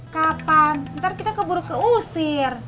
kapan ntar kita keburu keusir